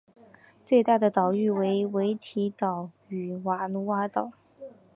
最大的岛屿为维提岛与瓦努阿岛。